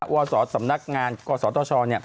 วัวสอสำนักงานกรสอต้อชอ